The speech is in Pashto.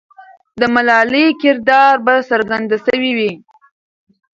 د ملالۍ کردار به څرګند سوی وي.